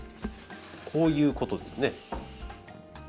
こういうことですね。